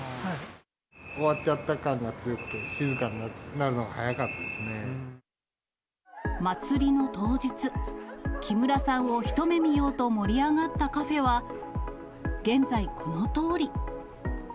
終わっちゃった感が強くて、まつりの当日、木村さんを一目見ようと盛り上がったカフェは、現在、このとおり。